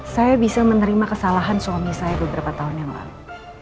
saya bisa menerima kesalahan suami saya beberapa tahun yang lalu